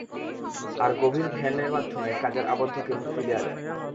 আর গভীর ধ্যান মধ্যেমে কাজের আবদ্ধ কে মুক্তি দেয় যায়।